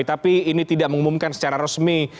tapi ini tidak mengumumkan secara resmi